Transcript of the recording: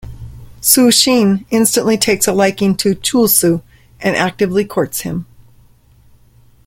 Su-jin instantly takes a liking to Chul-soo and actively courts him.